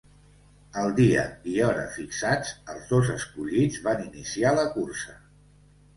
El dia i hora fixats, els dos escollits van iniciar la cursa.